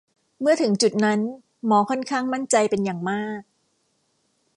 เมื่อถึงจุดนั้น หมอค่อนข้างมั่นใจเป็นอย่างมาก